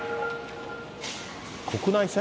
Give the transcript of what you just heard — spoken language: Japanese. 国内線？